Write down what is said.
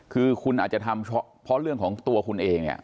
คือคุณอาจจะทำเพราะเรื่องของตัวคุณเองเนี่ย